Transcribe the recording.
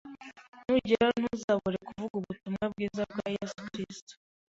nugerayo ntuzabure kuvuga ubutumwa bwiza bwa Yesu Kristo